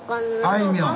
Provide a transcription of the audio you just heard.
あいみょん。